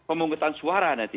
pemungutan suara nanti